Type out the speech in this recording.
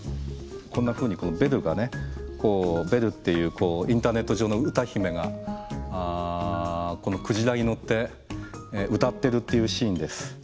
こんなふうにこのベルがねベルっていうインターネット上の歌姫がこのクジラに乗って歌ってるっていうシーンです。